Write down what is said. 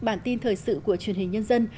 bản tin thời sự của truyền hình nhân dân